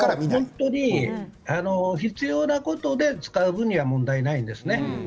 本当に必要なことで使う分には問題ないですね。